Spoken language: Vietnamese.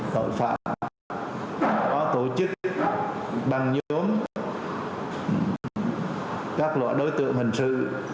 tội phạm có tổ chức băng nhốm các loại đối tượng hình sự